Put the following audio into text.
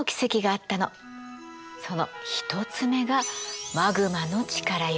その１つ目がマグマの力よ。